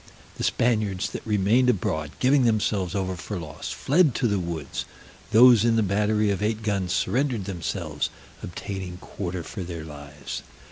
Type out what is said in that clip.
The Spaniards that remained abroad, giving themselves over for lost, fled to the woods: those in the battery of eight guns surrendered themselves, obtaining quarter for their lives.